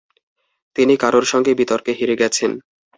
তিনি কারোর সাথে বিতর্কে হেরে গেছে।